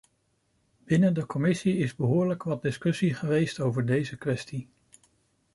Binnen de commissie is behoorlijk wat discussie geweest over deze kwestie.